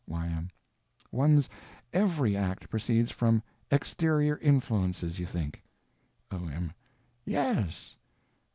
_ Y.M. One's _every _act proceeds from exterior influences, you think? O.M. Yes.